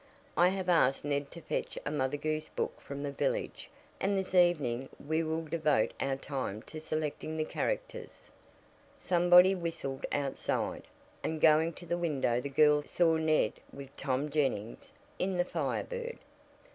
I have asked Ned to fetch a Mother Goose book from the village, and this evening we will devote our time to selecting the characters." Somebody whistled outside, and going to the window the girls saw Ned with Tom Jennings in the Fire Bird.